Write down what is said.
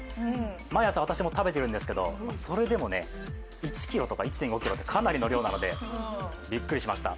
毎朝私も食べてるんですけど、それでも１ｋｇとか１．５ｋｇ、かなりの量なのでびっくりしました。